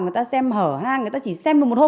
người ta xem hở ha người ta chỉ xem được một hôm